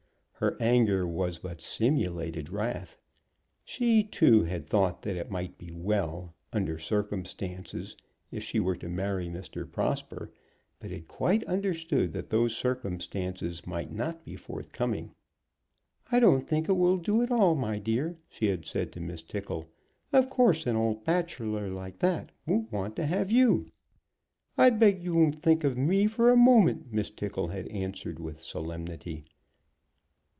Her anger was but simulated wrath. She, too, had thought that it might be well, under circumstances, if she were to marry Mr. Prosper, but had quite understood that those circumstances might not be forthcoming. "I don't think it will do at all, my dear," she had said to Miss Tickle. "Of course an old bachelor like that won't want to have you." "I beg you won't think of me for a moment," Miss Tickle had answered, with solemnity.